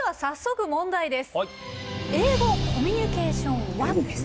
「英語コミュニケーションⅠ」です。